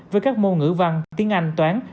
với các môn ngữ văn tiếng anh toán